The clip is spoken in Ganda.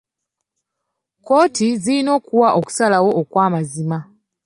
Kkooti zirina okuwa okusalawo okw'amazima